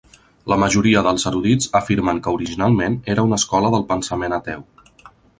La majoria dels erudits afirmen que originalment era una escola del pensament ateu.